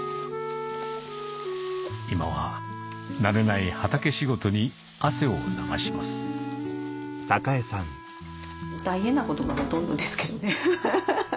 今は慣れない畑仕事に汗を流します大変なことがほとんどですけどねハハハ。